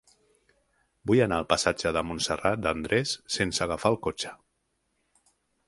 Vull anar al passatge de Montserrat de Andrés sense agafar el cotxe.